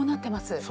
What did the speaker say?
そう。